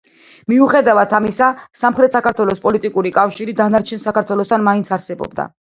მიუხედავად ამისა, სამხრეთ საქართველოს პოლიტიკური კავშირი დანარჩენ საქართველოსთან მაინც არსებობდა.